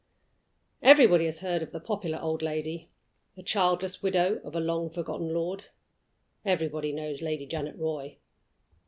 Everybody has heard of the popular old lady the childless widow of a long forgotten lord. Everybody knows Lady Janet Roy.